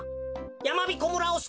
やまびこ村をす